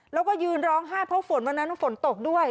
แล้วก็ยืนร้องไห้เพราะฝนวันนั้นฝนตกด้วย